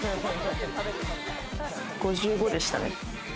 ５５でしたね。